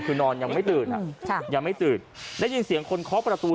คือนอนยังไม่ตื่นยังไม่ตื่นได้ยินเสียงคนเคาะประตู